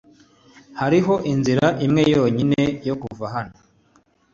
Hariho inzira imwe yonyine yo kuva hano .